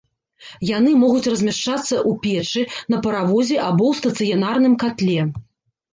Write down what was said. Яны могуць размяшчацца ў печы, на паравозе або ў стацыянарным катле.